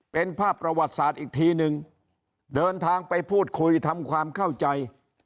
เป็นภาพประวัติศาสตร์อีกทีนึงเดินทางไปพูดคุยทำความเข้าใจ